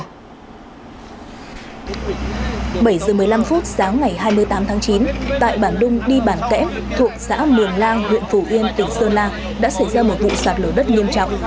bảy giờ một mươi năm phút sáng ngày hai mươi tám tháng chín tại bản đông đi bản kẽ thuộc xã mường lang huyện phù yên tỉnh sơn la đã xảy ra một vụ sạt lửa đất nghiêm trọng